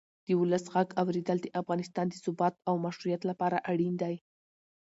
د ولس غږ اورېدل د افغانستان د ثبات او مشروعیت لپاره اړین دی